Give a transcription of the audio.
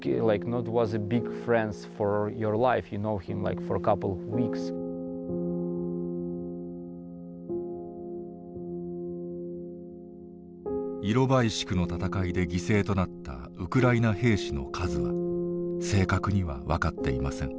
イロバイシクの戦いで犠牲となったウクライナ兵士の数は正確には分かっていません。